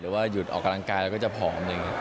หรือหยุดออกกำลังกายก็จะผอม